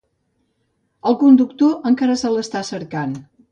El conductor encara se l’està cercant.